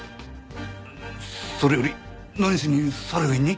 それより何しにサルウィンに？